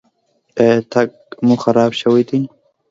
ایا تګ مو خراب شوی دی؟